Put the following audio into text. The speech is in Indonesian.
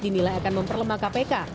dinilai akan memperlemah kpk